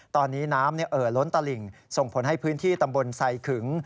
ตอนนี้น้ำเอ่อล้นตลิ่งส่งผลให้พื้นที่ตำบลไซขึง